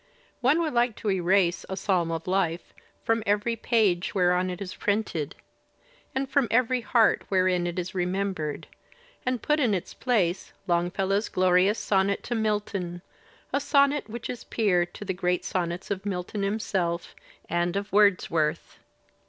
One would like to erase "A Psalm of Life " from every page whereon it is printed, and from every heart wherein it is remembered, and put in its place Long fellow*s glorious sonnet to Milton, a sonnet which is peer of the great sonnets of Milton himself and of Wordsworth.